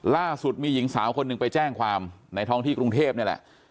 ล่าสุดมีหญิงสาวคนหนึ่งไปแจ้งความในท้องที่กรุงเทพนี่แหละ